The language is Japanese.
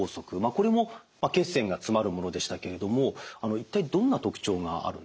これも血栓が詰まるものでしたけれども一体どんな特徴があるんですか？